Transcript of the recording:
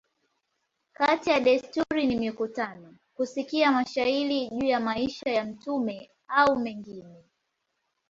Kati ya desturi ni mikutano, kusikia mashairi juu ya maisha ya mtume a mengine.